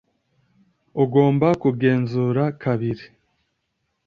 ugomba kugenzura kabiri